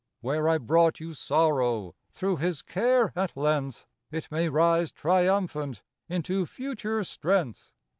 Where I brought you Sorrow, Through his care, at length, It may rise triumphant Into future Strength.